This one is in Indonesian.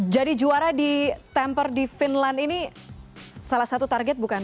jadi juara di temper di finland ini salah satu target bukan bu eni